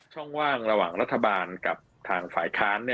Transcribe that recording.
ช่องว่างระหว่างรัฐบาลกับทางฝ่ายค้าน